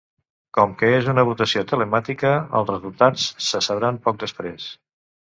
Com que és una votació telemàtica, els resultats se sabran poc després.